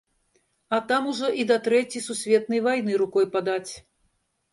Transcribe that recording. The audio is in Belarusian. А там ужо і да трэцяй сусветнай вайны рукой падаць.